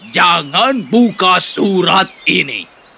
jangan buka surat ini